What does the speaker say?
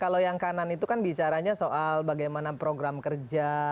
kalau yang kanan itu kan bicaranya soal bagaimana program kerja